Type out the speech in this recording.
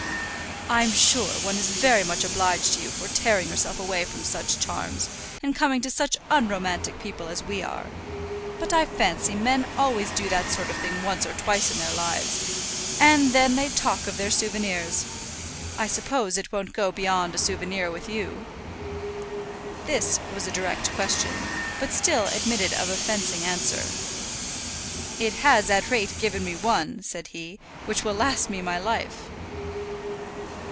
"I'm sure one is very much obliged to you for tearing yourself away from such charms, and coming to such unromantic people as we are. But I fancy men always do that sort of thing once or twice in their lives, and then they talk of their souvenirs. I suppose it won't go beyond a souvenir with you." This was a direct question, but still admitted of a fencing answer. "It has, at any rate, given me one," said he, "which will last me my life!"